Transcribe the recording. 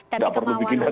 tidak perlu bikin dari baru